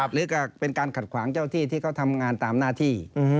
หรือก็เป็นการขัดขวางเจ้าที่ที่เขาทำงานตามหน้าที่